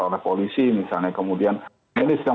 oleh polisi misalnya kemudian ini sedang